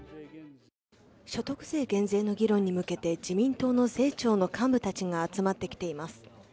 所得税減税の議論に向けて自民党の税調の幹部たちが集まってきています